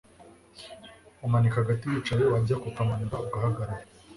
umanika agati wicaye wajya kukamanura ugahagarara